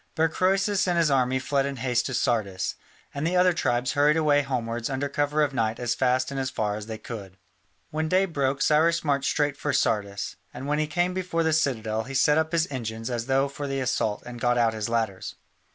But Croesus and his army fled in haste to Sardis, and the other tribes hurried away homewards under cover of night as fast and as far as they could. When day broke Cyrus marched straight for Sardis, and when he came before the citadel he set up his engines as though for the assault and got out his ladders.